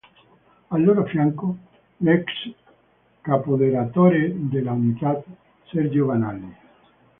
Al loro fianco, l'ex caporedattore de l'Unità Sergio Banali.